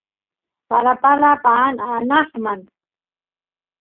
palapala paan anqman